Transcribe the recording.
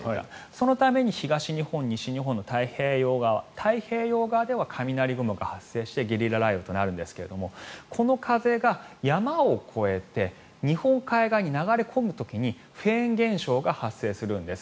そのために東日本、西日本の太平洋側太平洋側では雷雲が発生してゲリラ雷雨となるんですがこの風が山を越えて日本海側に流れ込む時にフェーン現象が発生するんです。